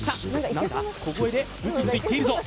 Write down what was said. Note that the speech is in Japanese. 何だ小声でブツブツ言っているぞ